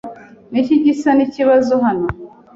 Niki gisa nikibazo hano?